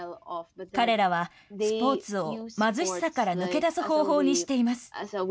彼らはスポーツを貧しさから抜け出す方法にしています。